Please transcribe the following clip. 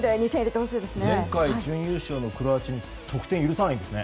前回準優勝のクロアチアに点を許さないんですね。